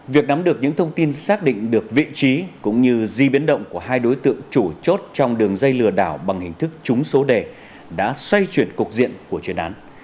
việc nắm được những thông tin xác định được vị trí cũng như di biến động của hai đối tượng chủ chốt trong đường dây lừa đảo bằng hình thức chúng số đề đã xoay chuyển cục diện của truyền án